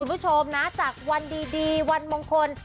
คุณผู้ชมนะจากวันดีวันมงคล